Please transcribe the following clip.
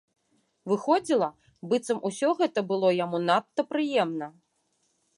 Выходзіла, быццам усё гэта было яму надта прыемна.